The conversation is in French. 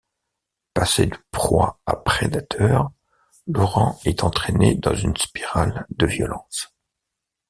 Passé de proie à prédateur, Laurent est entraîné dans une spirale de violence...